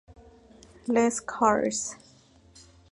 Les Cars